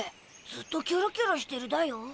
ずっとキョロキョロしてるだよ。